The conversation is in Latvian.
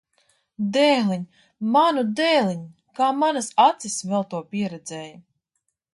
Dēliņ! Manu dēliņ! Kā manas acis vēl to pieredzēja!